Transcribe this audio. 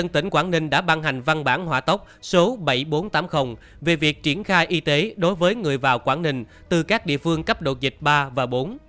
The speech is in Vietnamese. tỉnh quảng ninh đã ban hành văn bản hỏa tốc số bảy nghìn bốn trăm tám mươi về việc triển khai y tế đối với người vào quảng ninh từ các địa phương cấp độ dịch ba và bốn